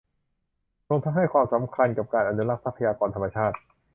รวมทั้งให้ความสำคัญกับการอนุรักษ์ทรัพยากรธรรมชาติ